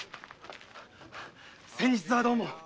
先日はどうも。